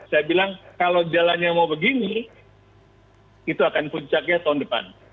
saya bilang kalau jalannya mau begini itu akan puncaknya tahun depan